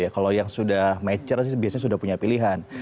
kalau yang sudah mature sih biasanya sudah punya pilihan